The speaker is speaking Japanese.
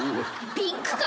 ピンクか？